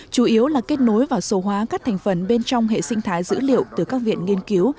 chủ yếu là kết nối và sổ hóa các thành phần bên trong hệ sinh thái dữ liệu từ các viện nghiên cứu